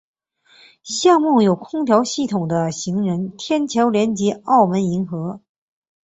项目有空调系统的行人天桥连接澳门银河。